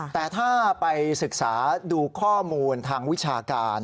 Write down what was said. แต่ถ้าไปศึกษาดูข้อมูลทางวิชาการ